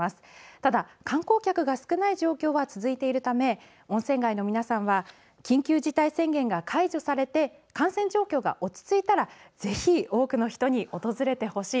ただ、観光客が少ない状況は続いているため温泉街の皆さんは緊急事態宣言が解除されて感染状況が落ち着いたらぜひ多くの人に訪れてほしい。